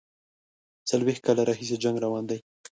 څلوېښت کاله راهیسي جنګ روان دی.